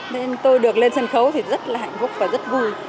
nên tôi được lên sân khấu thì rất là hạnh phúc và rất vui